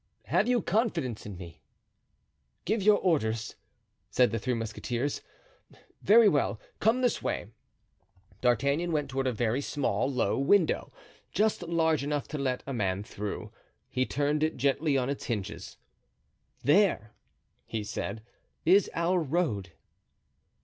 "Have you confidence in me?" "Give your orders," said the three musketeers. "Very well; come this way." D'Artagnan went toward a very small, low window, just large enough to let a man through. He turned it gently on its hinges. "There," he said, "is our road."